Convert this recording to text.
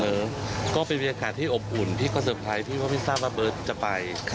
ก็เป็นบรรยากาศที่อบอุ่นที่เขาเซอร์ไพรส์พี่เพราะไม่ทราบว่าเบิร์ตจะไป